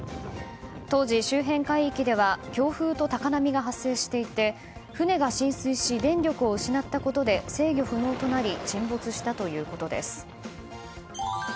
当時、周辺海域では強風と高波が発生していて船が浸水し電力を失ったことで制御不能となり沈没したということです。